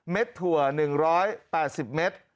เม็ดถั่ว๑๘๐เม็ด